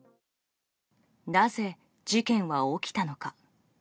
なぜ事件は起きたのか。